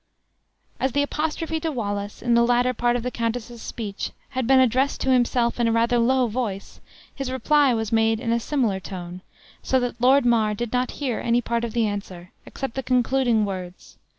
As the apostrophe to Wallace, in the latter part of the countess' speech, had been addressed to himself in rather a low voice, his reply was made in a similar tone, so that Lord Mar did not hear any part of the answer, except the concluding words.